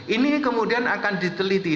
ini kemudian akan diteliti